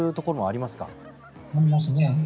ありますね。